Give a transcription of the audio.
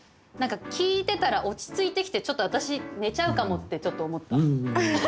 何か聴いてたら落ち着いてきてちょっと私寝ちゃうかもってちょっと思った。